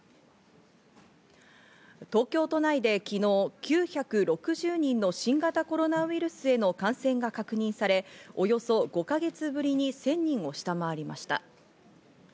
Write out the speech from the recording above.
東京都内で昨日、９６０人の新型コロナウイルスへの感染が確認され、およそ５か月ぶりに１０００人を下回りました。